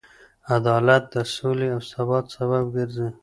عدالت د سولې او ثبات سبب ګرځي.